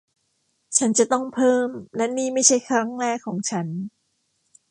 ฉันจะต้องเพิ่ม และนี่ไม่ใช่ครั้งแรกของฉัน